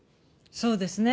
そうですね。